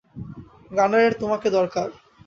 গানারের তোমাকে দরকার।